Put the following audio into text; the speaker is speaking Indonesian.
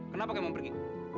kenapa kamu pergi